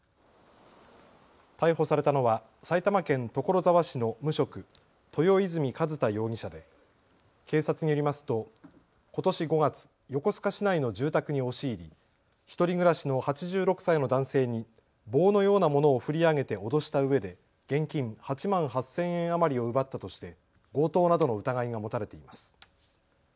逮捕されたたのは埼玉県所沢市の無職、豊泉寿太容疑者で警察によりますとことし５月、横須賀市内の住宅に押し入り１人暮らしの８６歳の男性に棒のようなものを振り上げて脅したうえで現金８万８０００円余りを奪ったとして強盗などの疑いが持たれています。